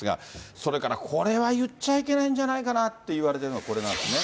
それからこれは言っちゃいけないんじゃないかなっていわれてるのが、これなんですね。